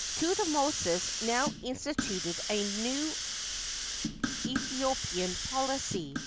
Thutmosis now instituted a new Aethi opian policy.